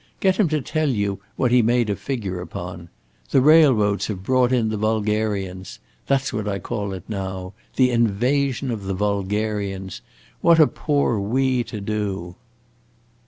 Get him to tell you what he made a figure upon. The railroads have brought in the vulgarians. That 's what I call it now the invasion of the vulgarians! What are poor we to do?"